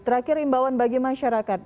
terakhir imbauan bagi masyarakat